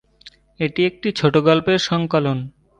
এটি একটি ছোটগল্পের সংকলন।